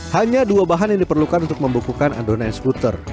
hanya dua bahan yang diperlukan untuk membukukan adonan skuter